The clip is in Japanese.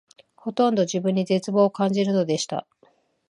ほとんど自分に絶望を感じるのでした